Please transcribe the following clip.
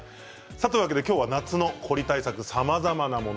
今日は夏の凝り対策、さまざまなもの